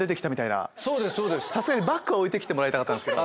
さすがにバッグは置いて来てもらいたかったんですけど。